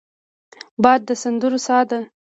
باد د سندرو سا دی